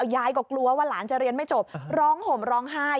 ยายก็กลัวว่าหลานจะเรียนไม่จบร้องห่มร้องไห้